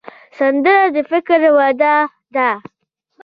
سندره د فکر وده ده